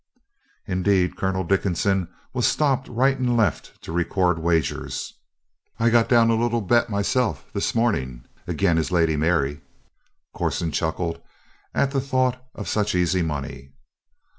Indeed, Colonel Dickinson was stopped right and left to record wagers. "I got down a little bet myself, this morning, agin his Lady Mary." Corson chuckled at the thought of such easy money.